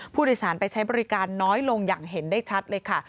ผู้โดยสารไปใช้บริการน้อยลงอย่างเห็นได้ชัดเลยค่ะ